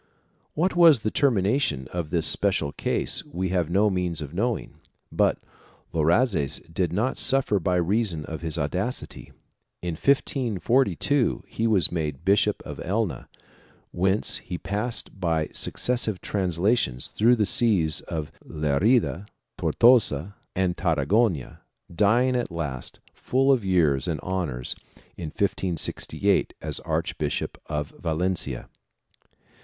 1 What was the termination of this special case we have no means of knowing, but Loazes did not suffer by reason of his audacity. In 1542 he was made Bishop of Elna, whence he passed by successive translations through the sees of Lerida, Tortosa and Tarragona, dying at last, full of years and honors in 1568 as Archbishop of Valencia.